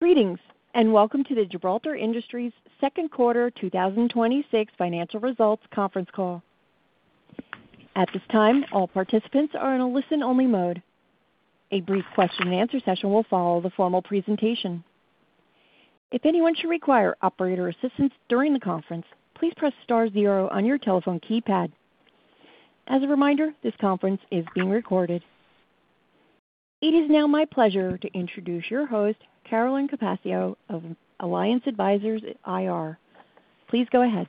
Greetings, welcome to the Gibraltar Industries second quarter 2026 financial results conference call. At this time, all participants are in a listen-only mode. A brief question-and-answer session will follow the formal presentation. If anyone should require operator assistance during the conference, please press star zero on your telephone keypad. As a reminder, this conference is being recorded. It is now my pleasure to introduce your host, Carolyn Capaccio of Alliance Advisors at IR. Please go ahead.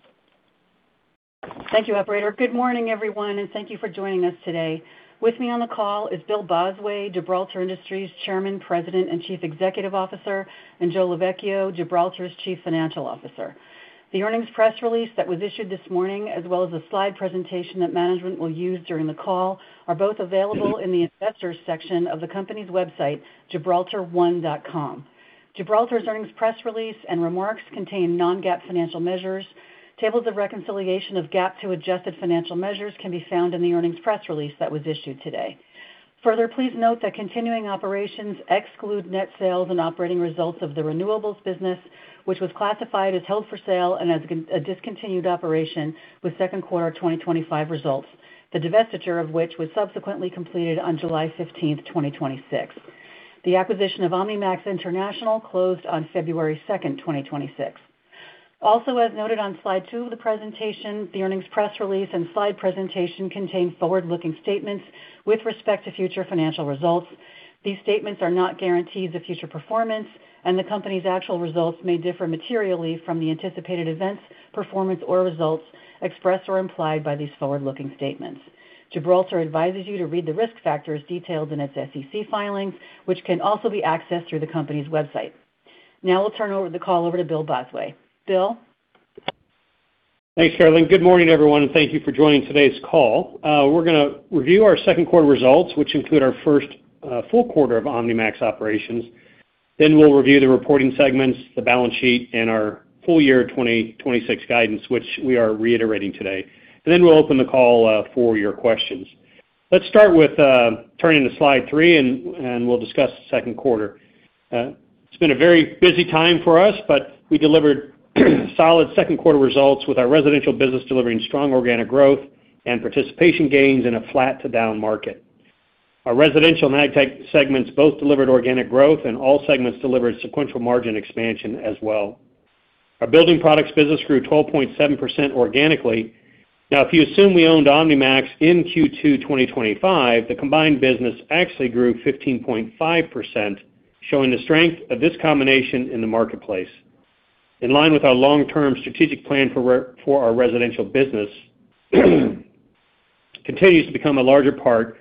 Thank you, operator. Good morning, everyone, thank you for joining us today. With me on the call is Bill Bosway, Gibraltar Industries Chairman, President, and Chief Executive Officer, and Joe Lovecchio, Gibraltar's Chief Financial Officer. The earnings press release that was issued this morning, as well as the slide presentation that management will use during the call, are both available in the investors section of the company's website, www.gibraltar1.com. Gibraltar's earnings press release and remarks contain non-GAAP financial measures. Tables of reconciliation of GAAP to adjusted financial measures can be found in the earnings press release that was issued today. Further, please note that continuing operations exclude net sales and operating results of the renewables business, which was classified as held for sale and as a discontinued operation with second quarter 2025 results, the divestiture of which was subsequently completed on July 15th, 2026. The acquisition of OmniMax International closed on February 2nd, 2026. As noted on slide two of the presentation, the earnings press release and slide presentation contain forward-looking statements with respect to future financial results. These statements are not guarantees of future performance, the company's actual results may differ materially from the anticipated events, performance, or results expressed or implied by these forward-looking statements. Gibraltar advises you to read the risk factors detailed in its SEC filings, which can also be accessed through the company's website. Now I'll turn the call over to Bill Bosway. Bill? Thanks, Carolyn. Good morning, everyone, thank you for joining today's call. We're going to review our second quarter results, which include our first full quarter of OmniMax operations. We'll review the reporting segments, the balance sheet, our full year 2026 guidance, which we are reiterating today. We'll open the call for your questions. Let's start with turning to slide three, we'll discuss the second quarter. It's been a very busy time for us, we delivered solid second quarter results with our residential business delivering strong organic growth and participation gains in a flat to down market. Our residential and AgTech segments both delivered organic growth, all segments delivered sequential margin expansion as well. Our building products business grew 12.7% organically. Now, if you assume we owned OmniMax in Q2 2025, the combined business actually grew 15.5%, showing the strength of this combination in the marketplace. In line with our long-term strategic plan for our residential business, continues to become a larger part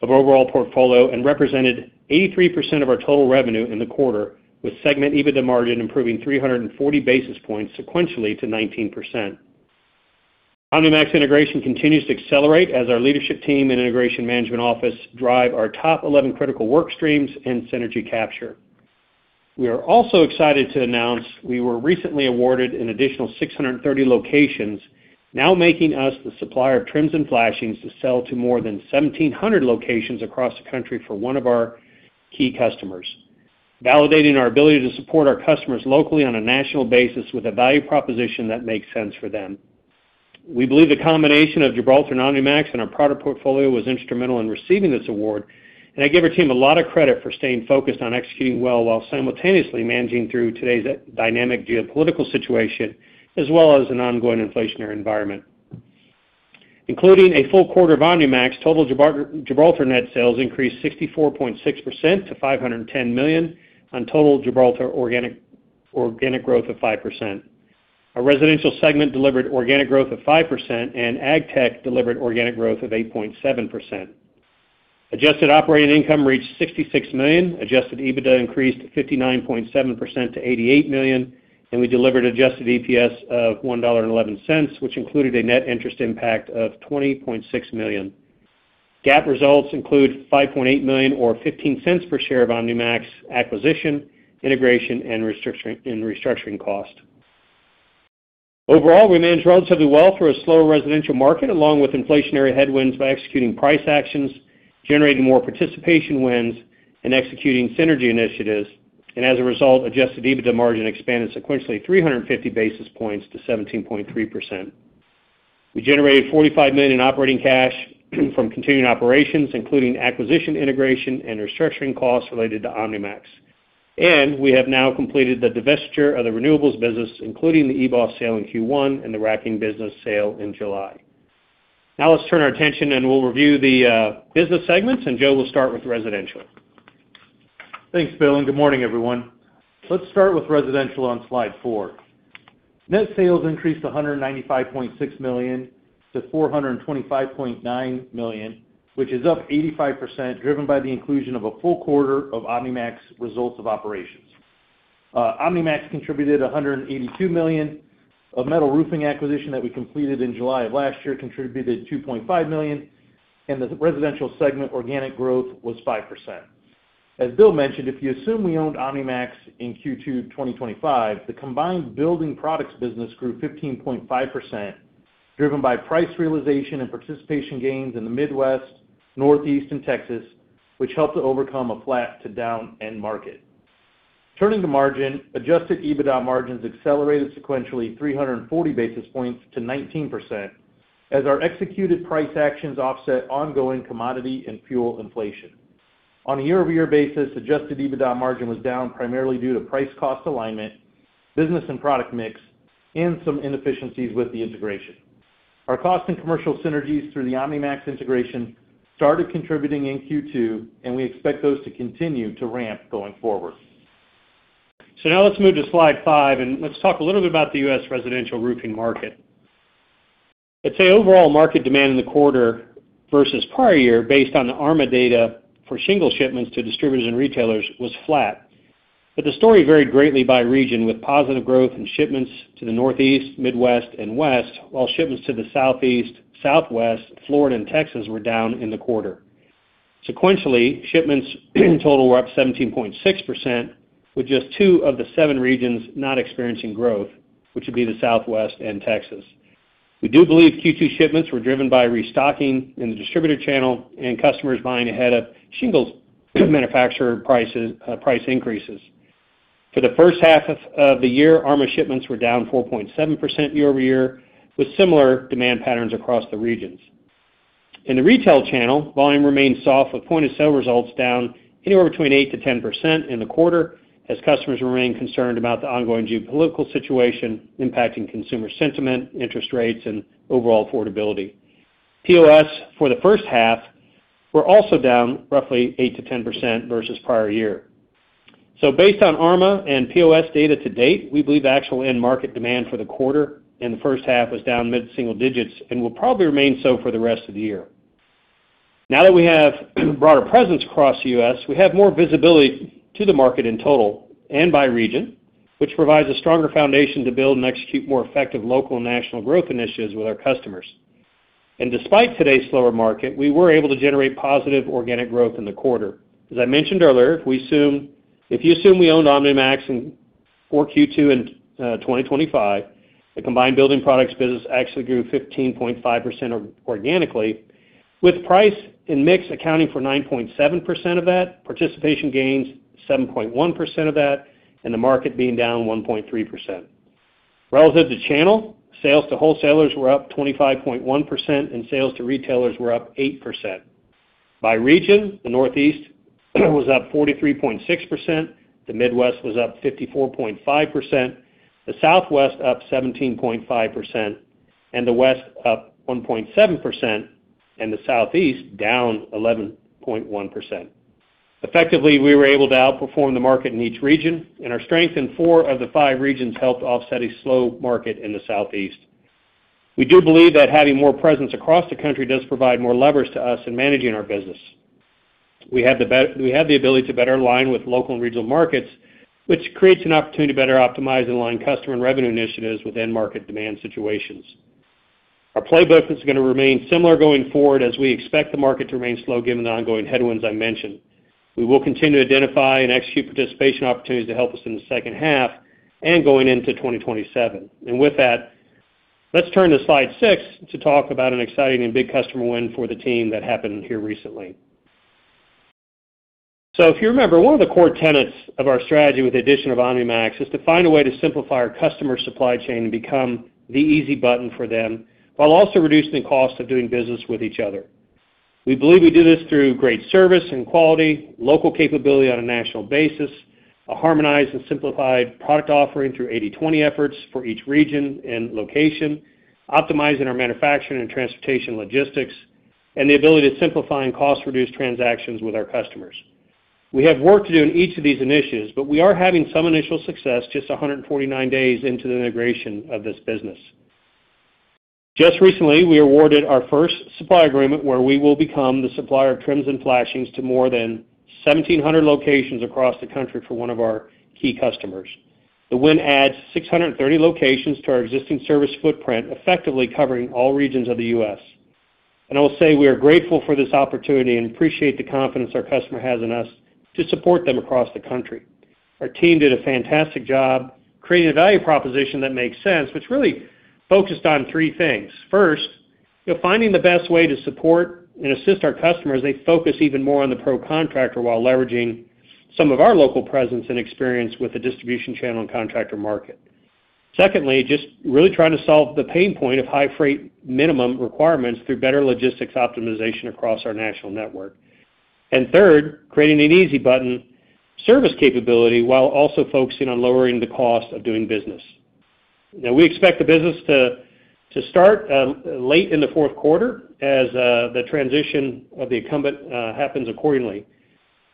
of our overall portfolio and represented 83% of our total revenue in the quarter, with segment EBITDA margin improving 340 basis points sequentially to 19%. OmniMax integration continues to accelerate as our leadership team and integration management office drive our top 11 critical work streams and synergy capture. We are also excited to announce we were recently awarded an additional 630 locations, now making us the supplier of trims and flashings to sell to more than 1,700 locations across the country for one of our key customers, validating our ability to support our customers locally on a national basis with a value proposition that makes sense for them. We believe the combination of Gibraltar and OmniMax and our product portfolio was instrumental in receiving this award, and I give our team a lot of credit for staying focused on executing well while simultaneously managing through today's dynamic geopolitical situation, as well as an ongoing inflationary environment. Including a full quarter of OmniMax, total Gibraltar net sales increased 64.6% to $510 million on total Gibraltar organic growth of 5%. Our residential segment delivered organic growth of 5%, and AgTech delivered organic growth of 8.7%. Adjusted operating income reached $66 million. Adjusted EBITDA increased 59.7% to $88 million, and we delivered adjusted EPS of $1.11, which included a net interest impact of $20.6 million. GAAP results include $5.8 million or $0.15 per share of OmniMax acquisition, integration, and restructuring costs. Overall, we managed relatively well through a slower residential market, along with inflationary headwinds, by executing price actions, generating more participation wins, and executing synergy initiatives. As a result, adjusted EBITDA margin expanded sequentially 350 basis points to 17.3%. We generated $45 million in operating cash from continuing operations, including acquisition, integration, and restructuring costs related to OmniMax. We have now completed the divestiture of the Renewables business, including the eBOS sale in Q1 and the racking business sale in July. Now let's turn our attention and we'll review the business segments, and Joe will start with residential. Thanks, Bill, and good morning, everyone. Let's start with residential on slide four. Net sales increased $195.6 million to $425.9 million, which is up 85%, driven by the inclusion of a full quarter of OmniMax results of operations. OmniMax contributed $182 million. A metal roofing acquisition that we completed in July of last year contributed $2.5 million, and the residential segment organic growth was 5%. As Bill mentioned, if you assume we owned OmniMax in Q2 2025, the combined building products business grew 15.5%. Driven by price realization and participation gains in the Midwest, Northeast, and Texas, which helped to overcome a flat to down end market. Turning to margin, adjusted EBITDA margins accelerated sequentially 340 basis points to 19%, as our executed price actions offset ongoing commodity and fuel inflation. On a year-over-year basis, adjusted EBITDA margin was down primarily due to price cost alignment, business and product mix, and some inefficiencies with the integration. Our cost and commercial synergies through the OmniMax integration started contributing in Q2, and we expect those to continue to ramp going forward. Now let's move to slide five, and let's talk a little bit about the U.S. residential roofing market. I'd say overall market demand in the quarter versus prior year, based on the ARMA data for shingle shipments to distributors and retailers, was flat. The story varied greatly by region, with positive growth in shipments to the Northeast, Midwest, and West, while shipments to the Southeast, Southwest, Florida, and Texas were down in the quarter. Sequentially, shipments total were up 17.6%, with just two of the seven regions not experiencing growth, which would be the Southwest and Texas. We do believe Q2 shipments were driven by restocking in the distributor channel and customers buying ahead of shingles manufacturer price increases. For the first half of the year, ARMA shipments were down 4.7% year-over-year, with similar demand patterns across the regions. In the retail channel, volume remained soft, with point-of-sale results down anywhere between 8%-10% in the quarter, as customers remain concerned about the ongoing geopolitical situation impacting consumer sentiment, interest rates, and overall affordability. POS for the first half were also down roughly 8%-10% versus prior year. Based on ARMA and POS data to date, we believe the actual end market demand for the quarter and the first half was down mid-single digits and will probably remain so for the rest of the year. Now that we have broader presence across the U.S., we have more visibility to the market in total and by region, which provides a stronger foundation to build and execute more effective local and national growth initiatives with our customers. Despite today's slower market, we were able to generate positive organic growth in the quarter. As I mentioned earlier, if you assume we owned OmniMax for Q2 in 2025, the combined building products business actually grew 15.5% organically, with price and mix accounting for 9.7% of that, participation gains 7.1% of that, and the market being down 1.3%. Relative to channel, sales to wholesalers were up 25.1%, and sales to retailers were up 8%. By region, the Northeast was up 43.6%, the Midwest was up 54.5%, the Southwest up 17.5%, and the West up 1.7%, and the Southeast down 11.1%. Effectively, we were able to outperform the market in each region, and our strength in four of the five regions helped offset a slow market in the Southeast. We do believe that having more presence across the country does provide more leverage to us in managing our business. We have the ability to better align with local and regional markets, which creates an opportunity to better optimize and align customer and revenue initiatives with end market demand situations. Our playbook is going to remain similar going forward as we expect the market to remain slow given the ongoing headwinds I mentioned. We will continue to identify and execute participation opportunities to help us in the second half and going into 2027. With that, let's turn to slide six to talk about an exciting and big customer win for the team that happened here recently. If you remember, one of the core tenets of our strategy with the addition of OmniMax is to find a way to simplify our customer supply chain and become the easy button for them while also reducing the cost of doing business with each other. We believe we do this through great service and quality, local capability on a national basis, a harmonized and simplified product offering through 80/20 efforts for each region and location, optimizing our manufacturing and transportation logistics, and the ability to simplify and cost reduce transactions with our customers. We have work to do in each of these initiatives, but we are having some initial success just 149 days into the integration of this business. Just recently, we awarded our first supply agreement where we will become the supplier of trims and flashings to more than 1,700 locations across the country for one of our key customers. The win adds 630 locations to our existing service footprint, effectively covering all regions of the U.S. I'll say we are grateful for this opportunity and appreciate the confidence our customer has in us to support them across the country. Our team did a fantastic job creating a value proposition that makes sense, which really focused on three things. First, finding the best way to support and assist our customers as they focus even more on the pro contractor while leveraging some of our local presence and experience with the distribution channel and contractor market. Secondly, trying to solve the pain point of high freight minimum requirements through better logistics optimization across our national network. Third, creating an easy button service capability while also focusing on lowering the cost of doing business. We expect the business to start late in the fourth quarter as the transition of the incumbent happens accordingly.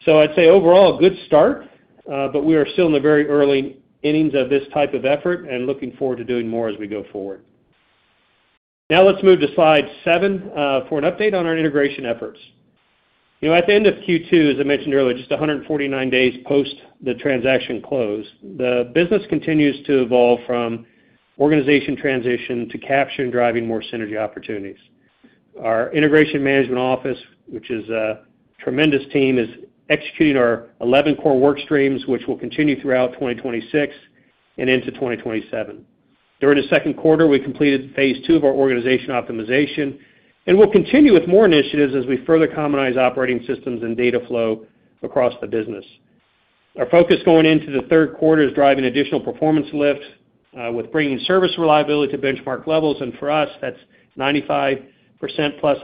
I'd say overall, a good start, but we are still in the very early innings of this type of effort and looking forward to doing more as we go forward. Let's move to slide seven for an update on our integration efforts. At the end of Q2, as I mentioned earlier, just 149 days post the transaction close, the business continues to evolve from organization transition to capture and driving more synergy opportunities. Our integration management office, which is a tremendous team, is executing our 11 core work streams, which will continue throughout 2026 and into 2027. During the second quarter, we completed phase two of our organization optimization. We'll continue with more initiatives as we further commonize operating systems and data flow across the business. Our focus going into the third quarter is driving additional performance lifts with bringing service reliability to benchmark levels. For us, that's 95%+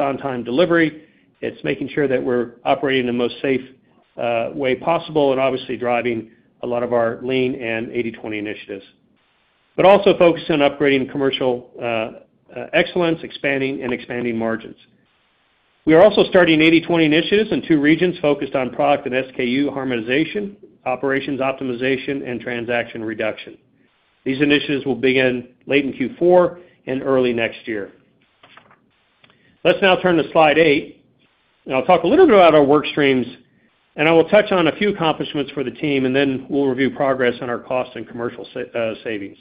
on-time delivery. It's making sure that we're operating in the most safe way possible and obviously driving a lot of our lean and 80/20 initiatives. Also focused on upgrading commercial excellence and expanding margins. We are also starting 80/20 initiatives in two regions focused on product and SKU harmonization, operations optimization, and transaction reduction. These initiatives will begin late in Q4 and early next year. Let's now turn to slide eight. I'll talk a little bit about our work streams. I will touch on a few accomplishments for the team. Then we'll review progress on our cost and commercial savings.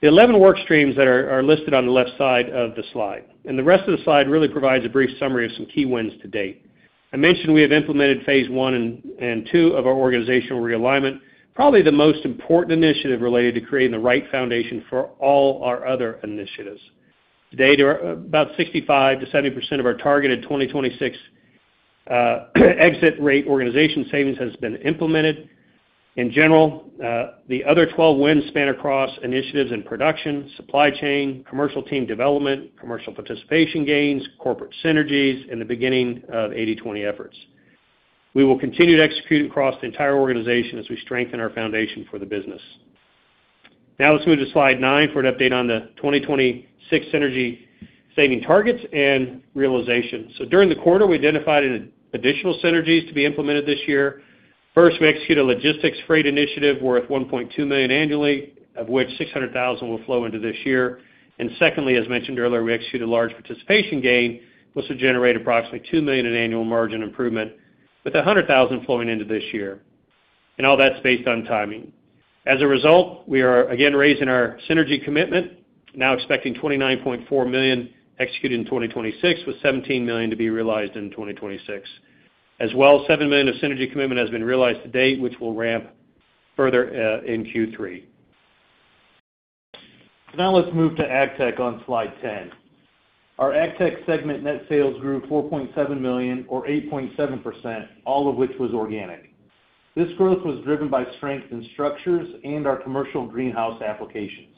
The 11 work streams that are listed on the left side of the slide. The rest of the slide really provides a brief summary of some key wins to date. I mentioned we have implemented phase one and two of our organizational realignment, probably the most important initiative related to creating the right foundation for all our other initiatives. To date, about 65%-70% of our targeted 2026 exit rate organization savings has been implemented. In general, the other 12 wins span across initiatives in production, supply chain, commercial team development, commercial participation gains, corporate synergies, and the beginning of 80/20 efforts. We will continue to execute across the entire organization as we strengthen our foundation for the business. Now let's move to slide nine for an update on the 2026 synergy saving targets and realization. During the quarter, we identified additional synergies to be implemented this year. First, we executed a logistics freight initiative worth $1.2 million annually, of which $600,000 will flow into this year. Secondly, as mentioned earlier, we executed a large participation gain, which will generate approximately $2 million in annual margin improvement, with $100,000 flowing into this year. All that's based on timing. As a result, we are again raising our synergy commitment, now expecting $29.4 million executed in 2026, with $17 million to be realized in 2026. As well, $7 million of synergy commitment has been realized to date, which will ramp further in Q3. Now let's move to AgTech on slide 10. Our AgTech segment net sales grew $4.7 million or 8.7%, all of which was organic. This growth was driven by strength in structures and our commercial greenhouse applications.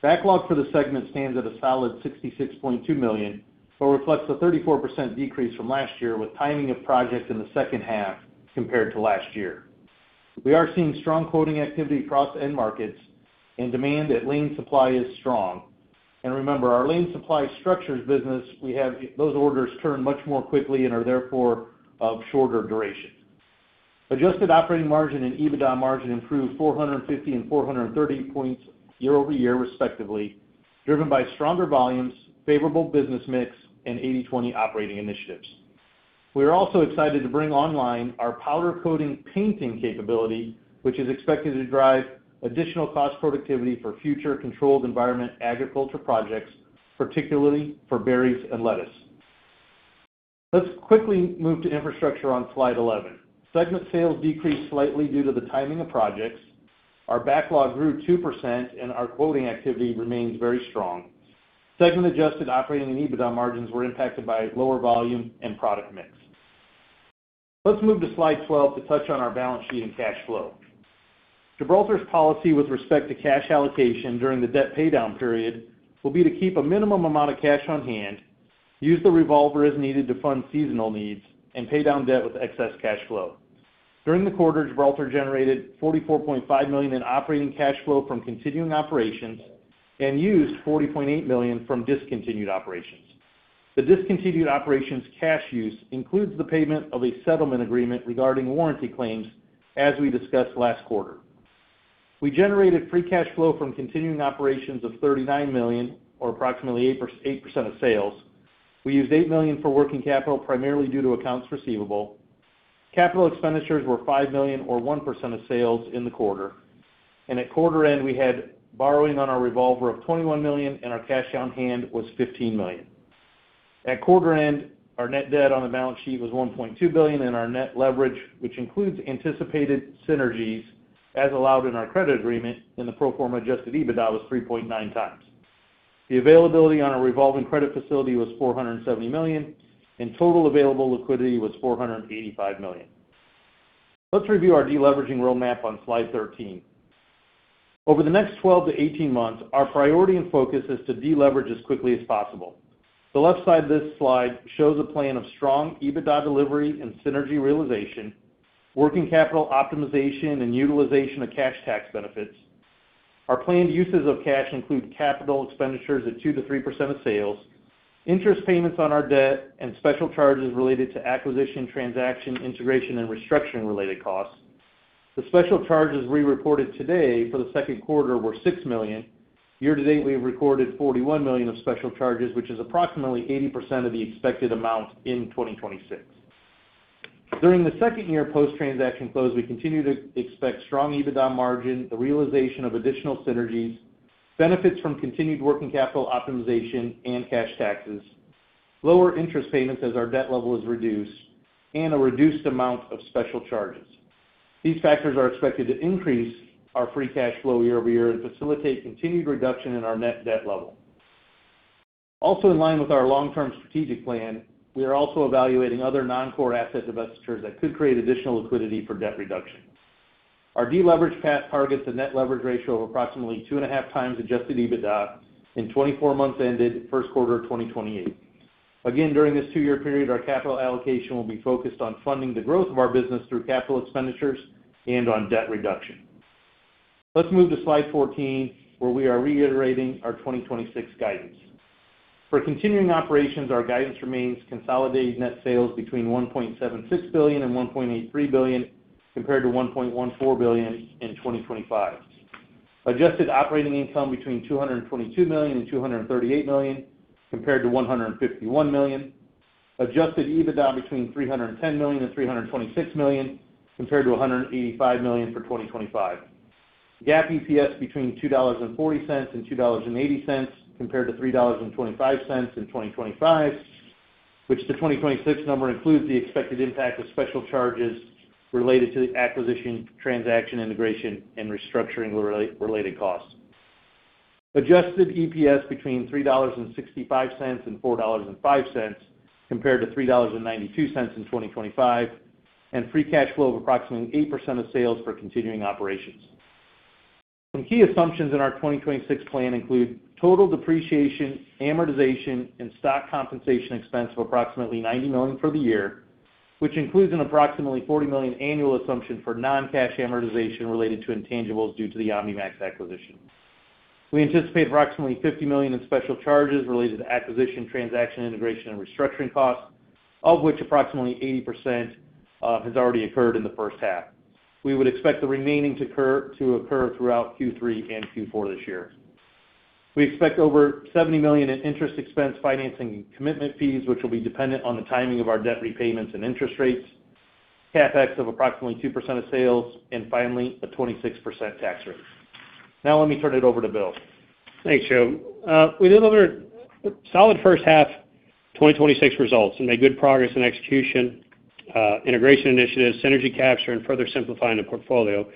Backlog for the segment stands at a solid $66.2 million, but reflects a 34% decrease from last year with timing of projects in the second half compared to last year. We are seeing strong quoting activity across end markets and demand at Lean Supply is strong. Remember, our Lean Supply structures business, those orders turn much more quickly and are therefore of shorter duration. Adjusted operating margin and EBITDA margin improved 450 and 430 points year-over-year respectively, driven by stronger volumes, favorable business mix, and 80/20 operating initiatives. We are also excited to bring online our powder coating painting capability, which is expected to drive additional cost productivity for future controlled environment agriculture projects, particularly for berries and lettuce. Let's quickly move to infrastructure on slide 11. Segment sales decreased slightly due to the timing of projects. Our backlog grew 2%. Our quoting activity remains very strong. Segment adjusted operating and EBITDA margins were impacted by lower volume and product mix. Let's move to slide 12 to touch on our balance sheet and cash flow. Gibraltar's policy with respect to cash allocation during the debt paydown period will be to keep a minimum amount of cash on hand, use the revolver as needed to fund seasonal needs, and pay down debt with excess cash flow. During the quarter, Gibraltar generated $44.5 million in operating cash flow from continuing operations and used $40.8 million from discontinued operations. The discontinued operations cash use includes the payment of a settlement agreement regarding warranty claims, as we discussed last quarter. We generated free cash flow from continuing operations of $39 million, or approximately 8% of sales. We used $8 million for working capital, primarily due to accounts receivable. Capital expenditures were $5 million or 1% of sales in the quarter. At quarter end, we had borrowing on our revolver of $21 million and our cash on hand was $15 million. At quarter end, our net debt on the balance sheet was $1.2 billion and our net leverage, which includes anticipated synergies as allowed in our credit agreement in the pro forma adjusted EBITDA, was 3.9x. The availability on our revolving credit facility was $470 million, Total available liquidity was $485 million. Let's review our de-leveraging roadmap on slide 13. Over the next 12-18 months, our priority and focus is to de-leverage as quickly as possible. The left side of this slide shows a plan of strong EBITDA delivery and synergy realization, working capital optimization, and utilization of cash tax benefits. Our planned uses of cash include capital expenditures at 2%-3% of sales, interest payments on our debt, and special charges related to acquisition, transaction, integration, and restructuring related costs. The special charges we reported today for the second quarter were $6 million. Year to date, we have recorded $41 million of special charges, which is approximately 80% of the expected amount in 2026. During the second year post-transaction close, we continue to expect strong EBITDA margin, the realization of additional synergies, benefits from continued working capital optimization and cash taxes, lower interest payments as our debt level is reduced, and a reduced amount of special charges. These factors are expected to increase our free cash flow year-over-year and facilitate continued reduction in our net debt level. Also in line with our long-term strategic plan, we are also evaluating other non-core asset divestitures that could create additional liquidity for debt reduction. Our de-leverage path targets a net leverage ratio of approximately 2.5x adjusted EBITDA in 24 months ended first quarter 2028. During this two-year period, our capital allocation will be focused on funding the growth of our business through capital expenditures and on debt reduction. Let's move to slide 14, where we are reiterating our 2026 guidance. For continuing operations, our guidance remains consolidated net sales between $1.76 billion and $1.83 billion, compared to $1.14 billion in 2025. Adjusted operating income between $222 million and $238 million, compared to $151 million. Adjusted EBITDA between $310 million and $326 million, compared to $185 million for 2025. GAAP EPS between $2.40 and $2.80, compared to $3.25 in 2025, which the 2026 number includes the expected impact of special charges related to the acquisition, transaction integration, and restructuring-related costs. Adjusted EPS between $3.65 and $4.05, compared to $3.92 in 2025, and free cash flow of approximately 8% of sales for continuing operations. Some key assumptions in our 2026 plan include total depreciation, amortization, and stock compensation expense of approximately $90 million for the year, which includes an approximately $40 million annual assumption for non-cash amortization related to intangibles due to the OmniMax acquisition. We anticipate approximately $50 million in special charges related to acquisition, transaction integration, and restructuring costs, of which approximately 80% has already occurred in the first half. We would expect the remaining to occur throughout Q3 and Q4 this year. We expect over $70 million in interest expense financing commitment fees, which will be dependent on the timing of our debt repayments and interest rates, CapEx of approximately 2% of sales, and finally, a 26% tax rate. Let me turn it over to Bill. Thanks, Joe. We delivered solid first half 2026 results and made good progress in execution, integration initiatives, synergy capture, and further simplifying the portfolio.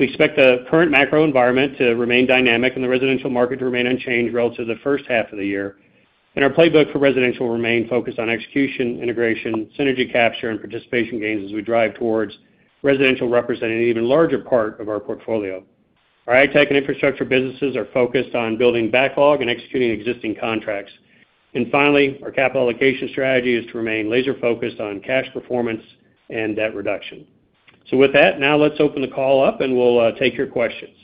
We expect the current macro environment to remain dynamic and the residential market to remain unchanged relative to the first half of the year. Our playbook for residential will remain focused on execution, integration, synergy capture, and participation gains as we drive towards residential representing an even larger part of our portfolio. Our high-tech and infrastructure businesses are focused on building backlog and executing existing contracts. Finally, our capital allocation strategy is to remain laser-focused on cash performance and debt reduction. With that, let's open the call up and we'll take your questions.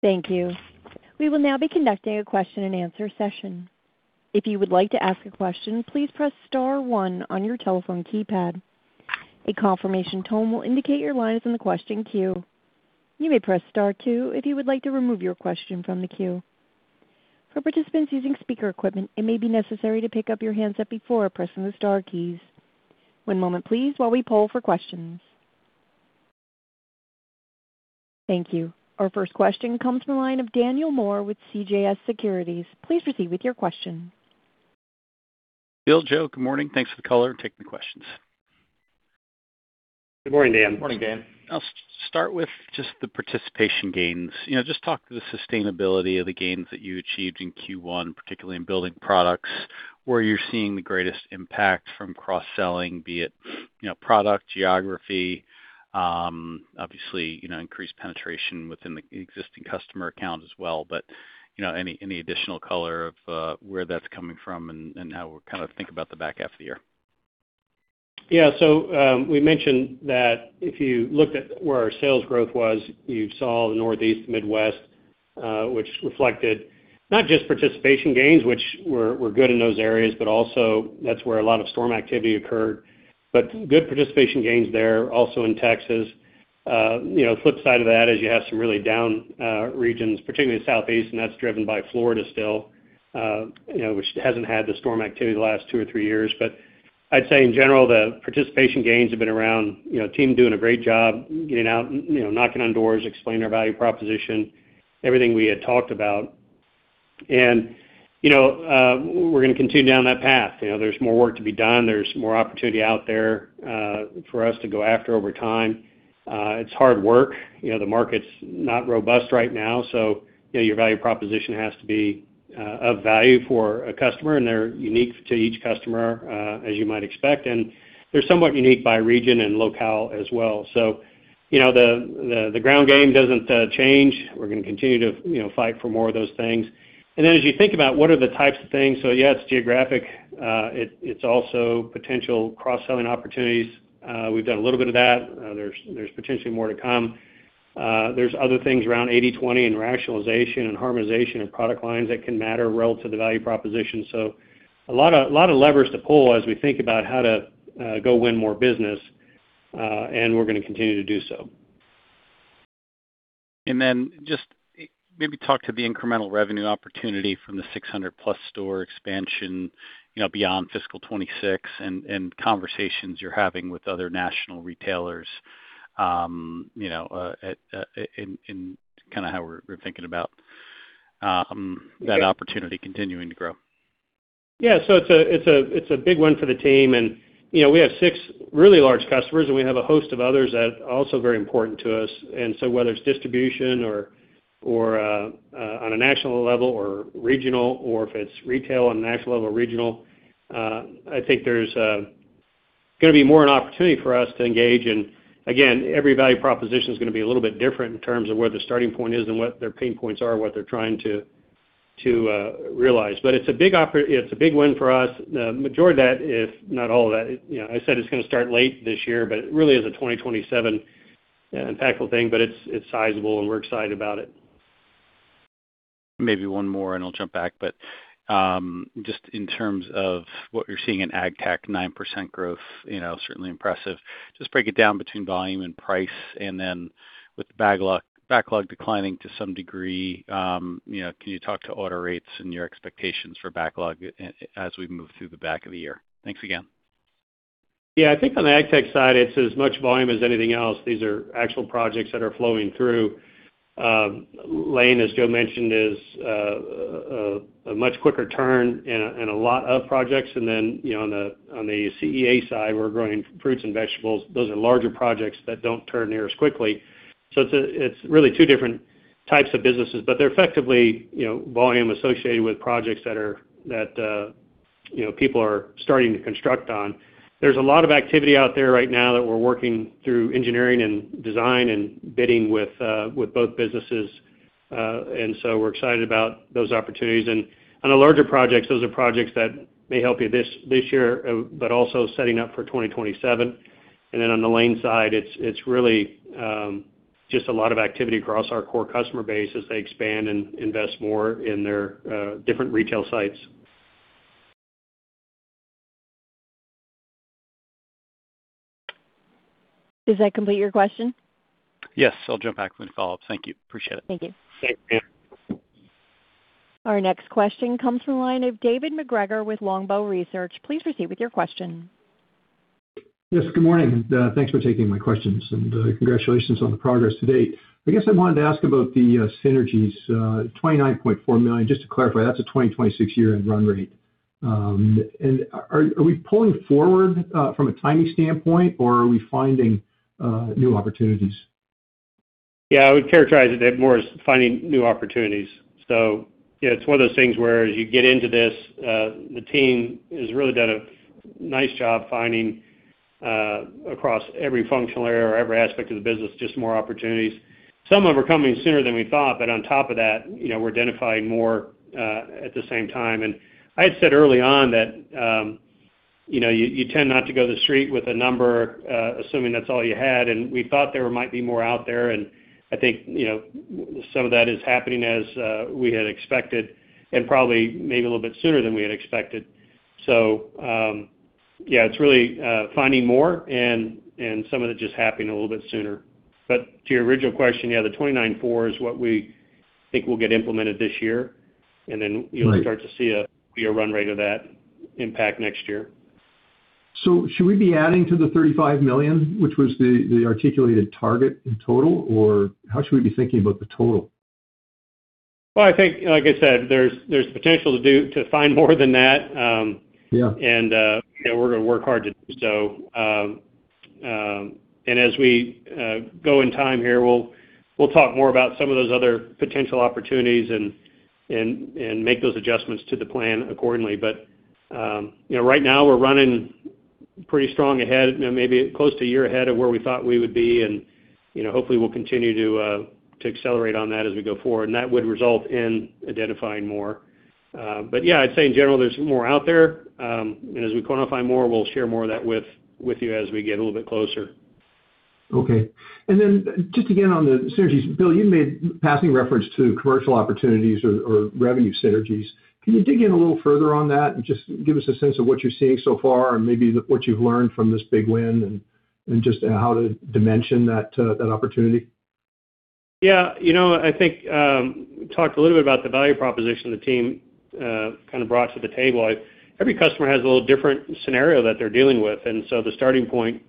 Thank you. We will now be conducting a question and answer session. If you would like to ask a question, please press star one on your telephone keypad. A confirmation tone will indicate your line is in the question queue. You may press star two if you would like to remove your question from the queue. For participants using speaker equipment, it may be necessary to pick up your handset before pressing the star keys. One moment, please, while we poll for questions. Thank you. Our first question comes from the line of Daniel Moore with CJS Securities. Please proceed with your question. Bill, Joe, good morning. Thanks for the color, taking the questions. Good morning, Dan. Morning, Dan. I'll start with just the participation gains. Just talk to the sustainability of the gains that you achieved in Q1, particularly in building products, where you're seeing the greatest impact from cross-selling, be it product, geography, obviously increased penetration within the existing customer account as well. Any additional color of where that's coming from and how we'll think about the back half of the year? We mentioned that if you looked at where our sales growth was, you saw the Northeast, Midwest, which reflected not just participation gains, which were good in those areas, but also that's where a lot of storm activity occurred. Good participation gains there. Also in Texas. Flip side of that is you have some really down regions, particularly the Southeast, and that's driven by Florida still, which hasn't had the storm activity the last two or three years. I'd say in general, the participation gains have been around team doing a great job getting out, knocking on doors, explaining our value proposition, everything we had talked about. We're going to continue down that path. There's more work to be done. There's more opportunity out there for us to go after over time. It's hard work. The market's not robust right now, your value proposition has to be of value for a customer, and they're unique to each customer as you might expect. They're somewhat unique by region and locale as well. The ground game doesn't change. We're going to continue to fight for more of those things. As you think about what are the types of things, yeah, it's geographic. It's also potential cross-selling opportunities. We've done a little bit of that. There's potentially more to come. There's other things around 80/20 and rationalization and harmonization of product lines that can matter relative to value proposition. A lot of levers to pull as we think about how to go win more business, and we're going to continue to do so. Just maybe talk to the incremental revenue opportunity from the 600+ store expansion beyond fiscal 2026 and conversations you're having with other national retailers, and how we're thinking about that opportunity continuing to grow. It's a big win for the team, we have six really large customers, we have a host of others that are also very important to us. Whether it's distribution or on a national level or regional, or if it's retail on a national level or regional, I think there's going to be more an opportunity for us to engage. Again, every value proposition is going to be a little bit different in terms of where the starting point is and what their pain points are and what they're trying to realize. It's a big win for us. The majority of that, if not all of that, I said it's going to start late this year, it really is a 2027 impactful thing, it's sizable, and we're excited about it. Maybe one more, I'll jump back. Just in terms of what you're seeing in AgTech, 9% growth, certainly impressive. Just break it down between volume and price. With backlog declining to some degree, can you talk to order rates and your expectations for backlog as we move through the back of the year? Thanks again. I think on the AgTech side, it's as much volume as anything else. These are actual projects that are flowing through. Lane, as Joe mentioned, is a much quicker turn and a lot of projects. On the CEA side, we're growing fruits and vegetables. Those are larger projects that don't turn near as quickly. It's really two different types of businesses, but they're effectively volume associated with projects that people are starting to construct on. There's a lot of activity out there right now that we're working through engineering and design and bidding with both businesses. We're excited about those opportunities. On the larger projects, those are projects that may help you this year, but also setting up for 2027. On the Lane side, it's really just a lot of activity across our core customer base as they expand and invest more in their different retail sites. Does that complete your question? Yes. I'll jump back with a follow-up. Thank you. Appreciate it. Thank you. Thank you. Our next question comes from the line of David MacGregor with Longbow Research. Please proceed with your question. Yes, good morning. Thanks for taking my questions, and congratulations on the progress to date. I guess I wanted to ask about the synergies, $29.4 million. Just to clarify, that's a 2026 year-end run rate. Are we pulling forward from a timing standpoint, or are we finding new opportunities? I would characterize it more as finding new opportunities. It's one of those things where as you get into this, the team has really done a nice job finding across every functional area or every aspect of the business, just more opportunities. Some of them are coming sooner than we thought. On top of that, we're identifying more at the same time. I had said early on that you tend not to go to the street with a number, assuming that's all you had. We thought there might be more out there. I think some of that is happening as we had expected and probably maybe a little bit sooner than we had expected. It's really finding more and some of it just happening a little bit sooner. To your original question, the $29.4 is what we think will get implemented this year. Then you'll start to see a run rate of that impact next year. Should we be adding to the $35 million, which was the articulated target in total? Or how should we be thinking about the total? Well, I think, like I said, there's potential to find more than that. Yeah. We're going to work hard to do so. As we go in time here, we'll talk more about some of those other potential opportunities and make those adjustments to the plan accordingly. Right now, we're running pretty strong ahead, maybe close to a year ahead of where we thought we would be. Hopefully we'll continue to accelerate on that as we go forward. That would result in identifying more. Yeah, I'd say in general, there's more out there. As we quantify more, we'll share more of that with you as we get a little bit closer. Okay. Then just again on the synergies, Bill, you made passing reference to commercial opportunities or revenue synergies. Can you dig in a little further on that and just give us a sense of what you're seeing so far and maybe what you've learned from this big win and just how to dimension that opportunity? Yeah. I think we talked a little bit about the value proposition the team brought to the table. Every customer has a little different scenario that they're dealing with, the starting point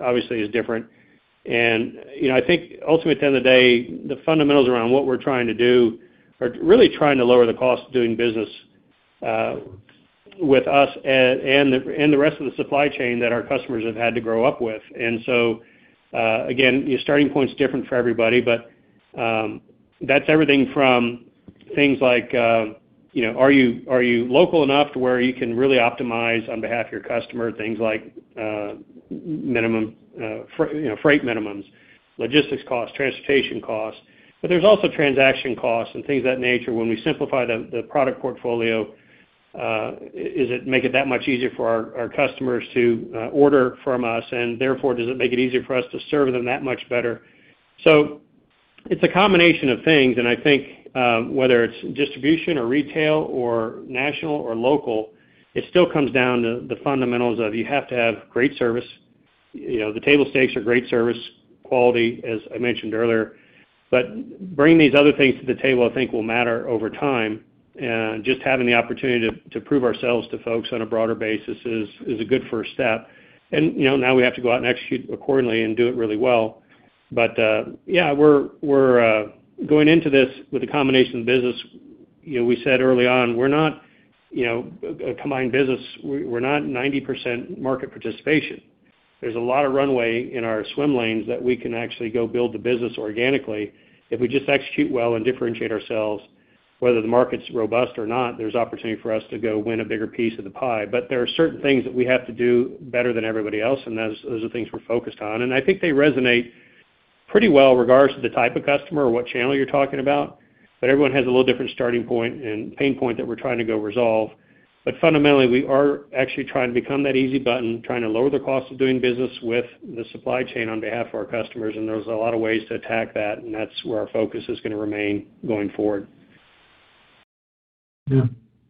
obviously is different. I think ultimately at the end of the day, the fundamentals around what we're trying to do are really trying to lower the cost of doing business with us and the rest of the supply chain that our customers have had to grow up with. Again, your starting point is different for everybody, but that's everything from things like are you local enough to where you can really optimize on behalf of your customer things like freight minimums, logistics costs, transportation costs. There's also transaction costs and things of that nature. When we simplify the product portfolio, does it make it that much easier for our customers to order from us, and therefore, does it make it easier for us to serve them that much better? It's a combination of things, and I think whether it's distribution or retail or national or local It still comes down to the fundamentals of you have to have great service. The table stakes are great service quality, as I mentioned earlier. Bringing these other things to the table, I think, will matter over time. Just having the opportunity to prove ourselves to folks on a broader basis is a good first step. Now we have to go out and execute accordingly and do it really well. Yeah, we're going into this with a combination of business. We said early on, we're not a combined business. We're not 90% market participation. There's a lot of runway in our swim lanes that we can actually go build the business organically if we just execute well and differentiate ourselves. Whether the market's robust or not, there's opportunity for us to go win a bigger piece of the pie. There are certain things that we have to do better than everybody else, and those are things we're focused on. I think they resonate pretty well regardless of the type of customer or what channel you're talking about. Everyone has a little different starting point and pain point that we're trying to go resolve. Fundamentally, we are actually trying to become that easy button, trying to lower the cost of doing business with the supply chain on behalf of our customers, and there's a lot of ways to attack that, and that's where our focus is going to remain going forward. Yeah,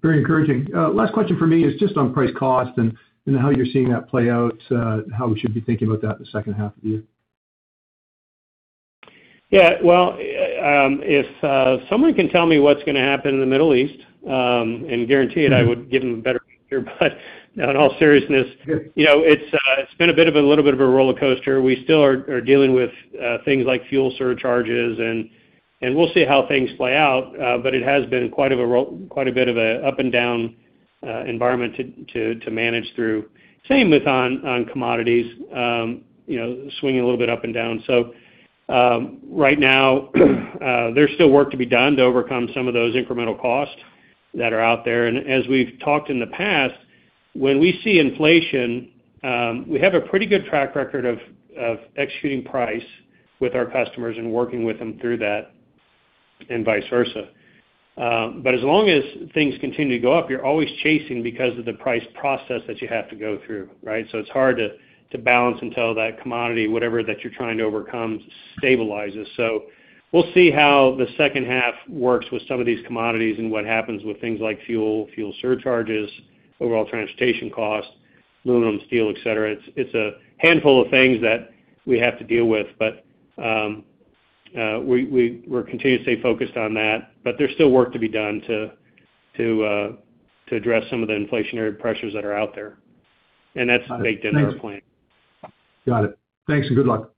very encouraging. Last question from me is just on price cost and how you're seeing that play out, how we should be thinking about that in the second half of the year. Yeah. Well, if someone can tell me what's going to happen in the Middle East and guarantee it, I would give them a better picture. In all seriousness, it's been a little bit of a roller coaster. We still are dealing with things like fuel surcharges, and we'll see how things play out. It has been quite a bit of an up and down environment to manage through. Same with on commodities, swinging a little bit up and down. Right now, there's still work to be done to overcome some of those incremental costs that are out there. As we've talked in the past, when we see inflation, we have a pretty good track record of executing price with our customers and working with them through that and vice versa. As long as things continue to go up, you're always chasing because of the price process that you have to go through. It's hard to balance until that commodity, whatever that you're trying to overcome, stabilizes. We'll see how the second half works with some of these commodities and what happens with things like fuel surcharges, overall transportation costs, aluminum, steel, et cetera. It's a handful of things that we have to deal with, but we're continuously focused on that. There's still work to be done to address some of the inflationary pressures that are out there. That's baked into our plan. Got it. Thanks, and good luck.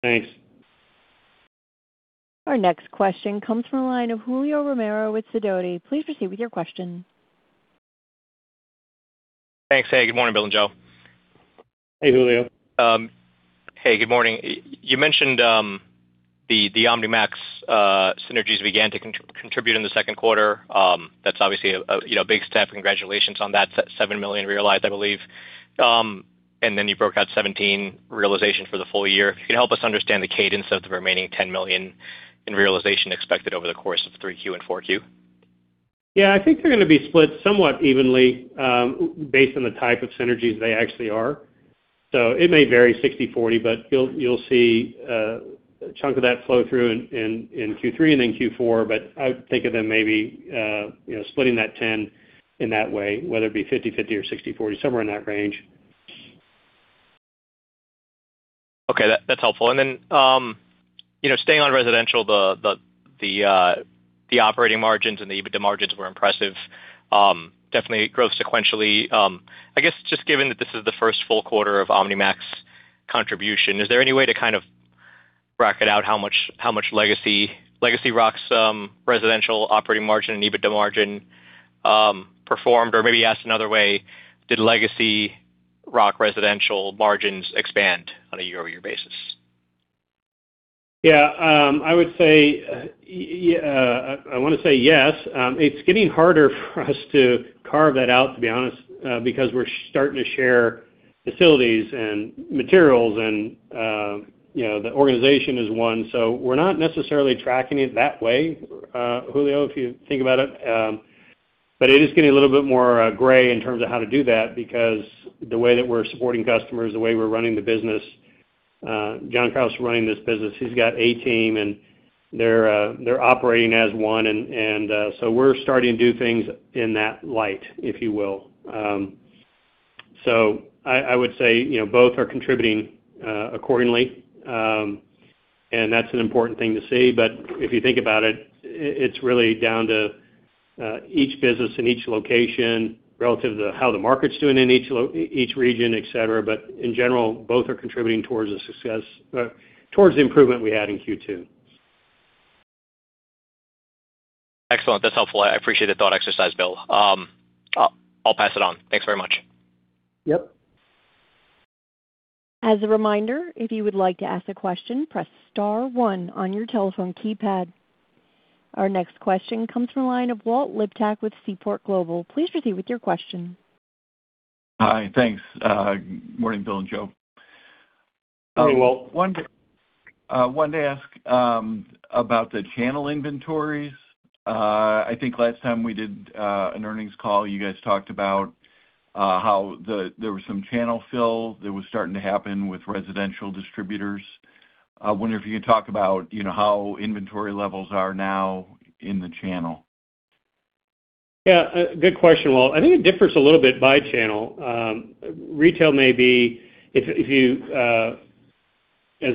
Thanks. Our next question comes from the line of Julio Romero with Sidoti. Please proceed with your question. Thanks. Hey, good morning, Bill and Joe. Hey, Julio. Hey, good morning. You mentioned the OmniMax synergies began to contribute in the second quarter. That's obviously a big step, and congratulations on that. $7 million realized, I believe. You broke out $17 realization for the full year. If you could help us understand the cadence of the remaining $10 million in realization expected over the course of 3Q and 4Q. Yeah, I think they're going to be split somewhat evenly, based on the type of synergies they actually are. It may vary 60/40, but you'll see a chunk of that flow through in Q3 and then Q4. I would think of them maybe splitting that $10 million in that way, whether it be 50/50 or 60/40, somewhere in that range. Okay. That's helpful. Staying on residential, the operating margins and the EBITDA margins were impressive. Definitely growth sequentially. I guess, just given that this is the first full quarter of OmniMax contribution, is there any way to kind of bracket out how much legacy [ROCK's] residential operating margin and EBITDA margin performed? Or maybe asked another way, did legacy [ROCK] residential margins expand on a year-over-year basis? Yeah. I want to say yes. It's getting harder for us to carve that out, to be honest, because we're starting to share facilities and materials and the organization is one. We're not necessarily tracking it that way, Julio, if you think about it. It is getting a little bit more gray in terms of how to do that because the way that we're supporting customers, the way we're running the business. John Krause is running this business. He's got a team, and they're operating as one, we're starting to do things in that light, if you will. I would say both are contributing accordingly. That's an important thing to see. If you think about it's really down to each business in each location relative to how the market's doing in each region, et cetera. In general, both are contributing towards the improvement we had in Q2. Excellent. That's helpful. I appreciate the thought exercise, Bill. I'll pass it on. Thanks very much. Yep. As a reminder, if you would like to ask a question, press star one on your telephone keypad. Our next question comes from the line of Walt Liptak with Seaport Global. Please proceed with your question. Hi. Thanks. Morning, Bill and Joe. Morning, Walt. I wanted to ask about the channel inventories. I think last time we did an earnings call, you guys talked about how there was some channel fill that was starting to happen with residential distributors. I wonder if you could talk about how inventory levels are now in the channel. Good question, Walt. I think it differs a little bit by channel. Retail may be, as I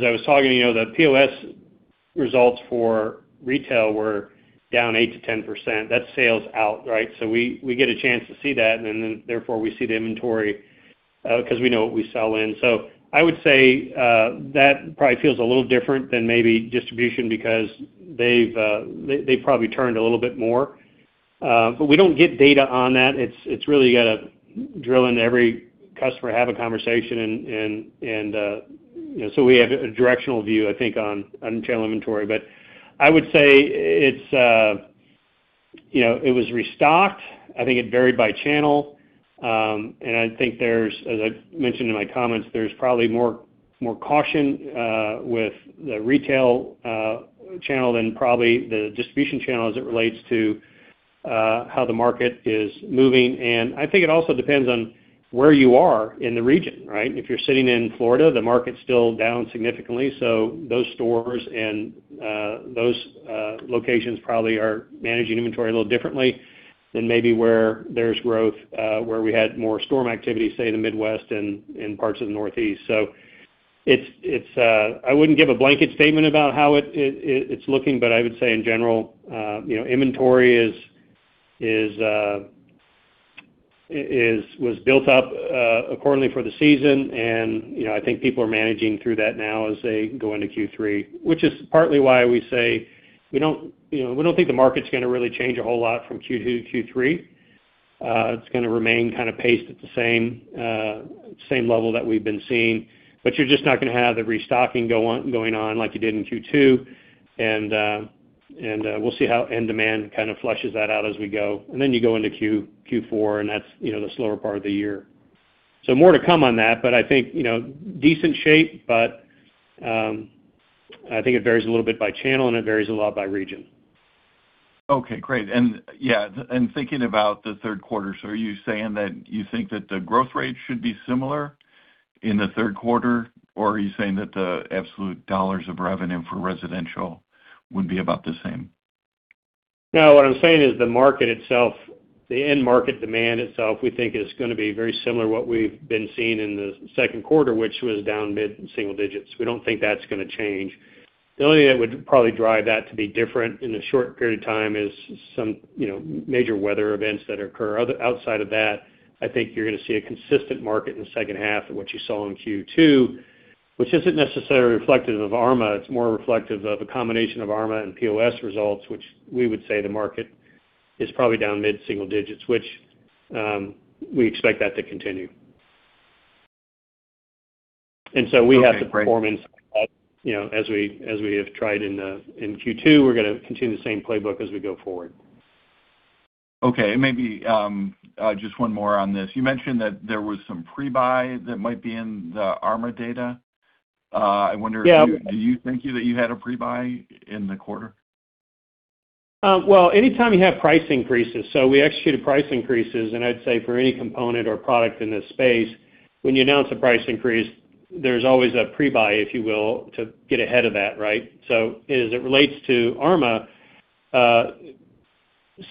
was talking, the POS results for retail were down 8%-10%. That's sales out, right? We get a chance to see that, and then therefore we see the inventory, because we know what we sell in. I would say, that probably feels a little different than maybe distribution because they've probably turned a little bit more. We don't get data on that. It's really got to drill into every customer, have a conversation, we have a directional view, I think, on channel inventory. I would say it was restocked. I think it varied by channel. I think, as I mentioned in my comments, there's probably more caution with the retail channel than probably the distribution channel as it relates to how the market is moving. I think it also depends on where you are in the region, right? If you're sitting in Florida, the market's still down significantly. Those stores and those locations probably are managing inventory a little differently than maybe where there's growth, where we had more storm activity, say, in the Midwest and in parts of the Northeast. I wouldn't give a blanket statement about how it's looking, but I would say in general, inventory was built up accordingly for the season. I think people are managing through that now as they go into Q3, which is partly why we say we don't think the market's going to really change a whole lot from Q2 to Q3. It's going to remain kind of paced at the same level that we've been seeing. You're just not going to have the restocking going on like you did in Q2. We'll see how end demand kind of flushes that out as we go. Then you go into Q4, and that's the slower part of the year. More to come on that, but I think decent shape, but I think it varies a little bit by channel and it varies a lot by region. Okay, great. Thinking about the third quarter, are you saying that you think that the growth rate should be similar in the third quarter, or are you saying that the absolute dollars of revenue for residential would be about the same? No, what I'm saying is the market itself, the end market demand itself, we think is going to be very similar to what we've been seeing in the second quarter, which was down mid single digits. We don't think that's going to change. The only thing that would probably drive that to be different in a short period of time is some major weather events that occur. Outside of that, I think you're going to see a consistent market in the second half of what you saw in Q2, which isn't necessarily reflective of ARMA. It's more reflective of a combination of ARMA and POS results, which we would say the market is probably down mid single digits, which we expect that to continue. We have the performance as we have tried in Q2. We're going to continue the same playbook as we go forward. Okay, maybe just one more on this. You mentioned that there was some pre-buy that might be in the ARMA data. Yeah. I wonder, do you think that you had a pre-buy in the quarter? Well, anytime you have price increases, so we executed price increases, and I'd say for any component or product in this space, when you announce a price increase, there's always a pre-buy, if you will, to get ahead of that, right? As it relates to ARMA,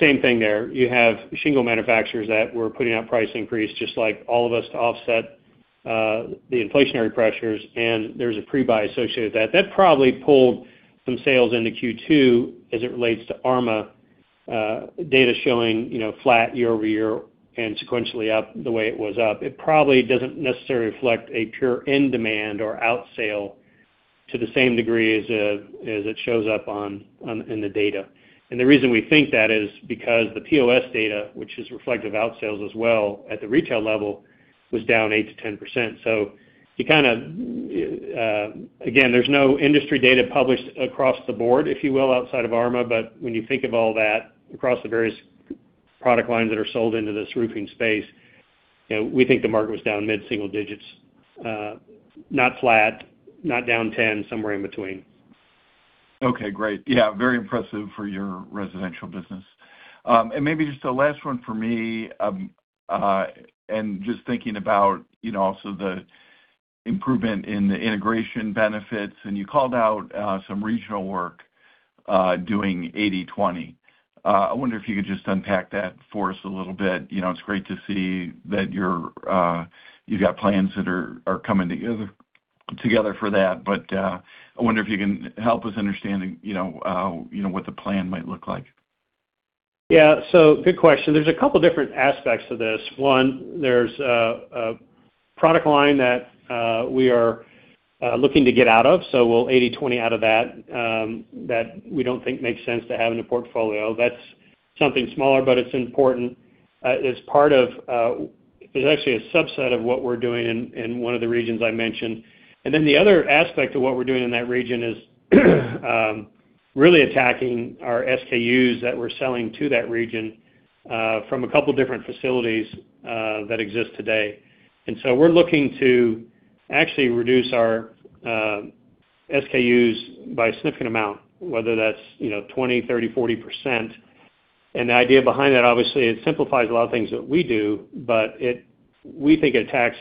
same thing there. You have shingle manufacturers that were putting out price increase just like all of us to offset the inflationary pressures, and there's a pre-buy associated with that. That probably pulled some sales into Q2 as it relates to ARMA data showing flat year-over-year and sequentially up the way it was up. It probably doesn't necessarily reflect a pure end demand or out sale to the same degree as it shows up in the data. The reason we think that is because the POS data, which is reflective out sales as well at the retail level, was down 8%-10%. Again, there's no industry data published across the board, if you will, outside of ARMA. When you think of all that across the various product lines that are sold into this roofing space, we think the market was down mid single digits. Not flat, not down 10, somewhere in between. Okay, great. Yeah, very impressive for your residential business. Maybe just a last one for me, just thinking about also the improvement in the integration benefits, you called out some regional work doing 80/20. I wonder if you could just unpack that for us a little bit. It's great to see that you've got plans that are coming together for that. I wonder if you can help us understand what the plan might look like. Yeah. Good question. There's two different aspects to this. One, there's a product line that we are looking to get out of. We'll 80/20 out of that we don't think makes sense to have in a portfolio. That's something smaller, but it's important. It's actually a subset of what we're doing in one of the regions I mentioned. The other aspect of what we're doing in that region is really attacking our SKUs that we're selling to that region from two different facilities that exist today. We're looking to actually reduce our SKUs by a significant amount, whether that's 20%, 30%, 40%. The idea behind that, obviously, it simplifies a lot of things that we do, but we think it attacks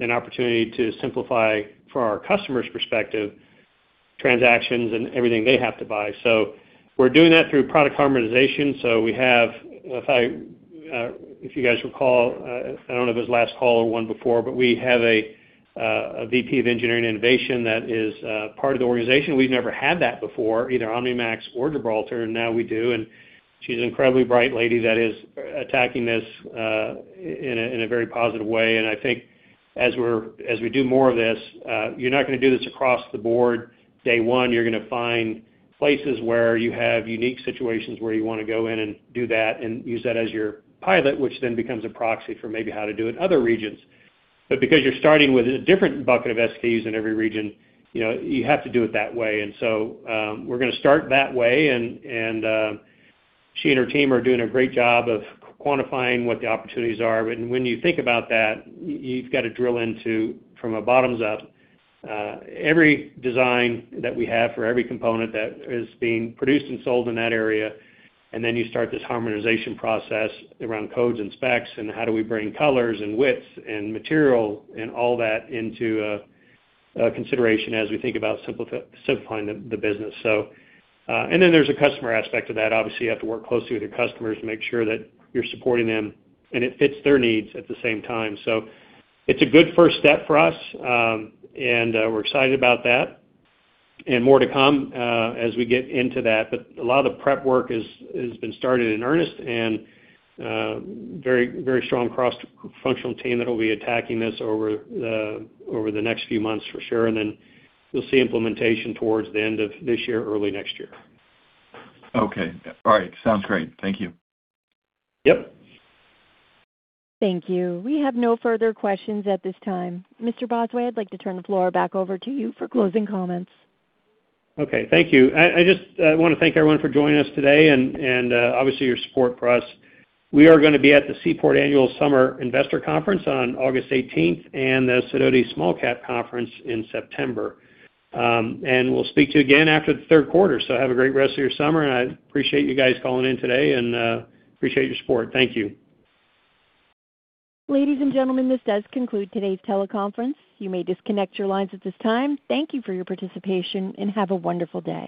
an opportunity to simplify, from our customers' perspective, transactions and everything they have to buy. We're doing that through product harmonization. If you guys recall, I don't know if it was last call or one before, but we have a VP of engineering and innovation that is part of the organization. We've never had that before, either OmniMax or Gibraltar, now we do. She's an incredibly bright lady that is attacking this in a very positive way. I think as we do more of this, you're not going to do this across the board day one. You're going to find places where you have unique situations where you want to go in and do that and use that as your pilot, which then becomes a proxy for maybe how to do it in other regions. Because you're starting with a different bucket of SKUs in every region, you have to do it that way. We're going to start that way, she and her team are doing a great job of quantifying what the opportunities are. When you think about that, you've got to drill into, from a bottoms up, every design that we have for every component that is being produced and sold in that area. You start this harmonization process around codes and specs, how do we bring colors and widths and material and all that into consideration as we think about simplifying the business. There's a customer aspect to that. Obviously, you have to work closely with your customers to make sure that you're supporting them and it fits their needs at the same time. It's a good first step for us, and we're excited about that. More to come, as we get into that. A lot of the prep work has been started in earnest and very strong cross-functional team that'll be attacking this over the next few months for sure. You'll see implementation towards the end of this year, early next year. Okay. All right. Sounds great. Thank you. Yep. Thank you. We have no further questions at this time. Mr. Bosway, I'd like to turn the floor back over to you for closing comments. Okay. Thank you. I just want to thank everyone for joining us today and obviously your support for us. We are going to be at the Seaport Annual Summer Investor Conference on August 18th and the Sidoti Small-Cap Conference in September. We'll speak to you again after the third quarter, so have a great rest of your summer, and I appreciate you guys calling in today and appreciate your support. Thank you. Ladies and gentlemen, this does conclude today's teleconference. You may disconnect your lines at this time. Thank you for your participation, and have a wonderful day.